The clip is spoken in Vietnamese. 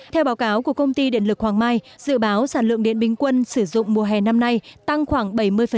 theo báo cáo của công ty điện lực hoàng mai dự báo sản lượng điện bình quân sử dụng mùa hè năm nay tăng khoảng bảy mươi